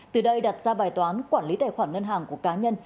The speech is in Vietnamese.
từ đây đặt ra bài toán quản lý tài khoản ngân hàng của cá nhân